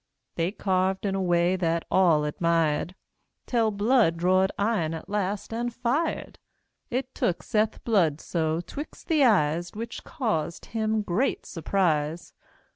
They carved in a way that all admired, Tell Blood drawed iron at last, and fired. It took Seth Bludso 'twixt the eyes, Which caused him great surprise.